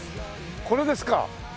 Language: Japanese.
これですか？